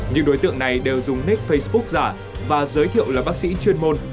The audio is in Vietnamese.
những đối tượng này đều dùng nick facebook giả và giới thiệu là bác sĩ chuyên môn